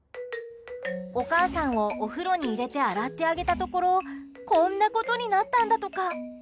お母さんをお風呂に入れて洗ってあげたところこんなことになったんだとか。